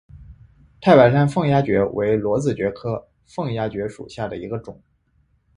太白山凤丫蕨为裸子蕨科凤丫蕨属下的一个种。